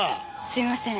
すみません。